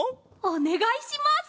おねがいします。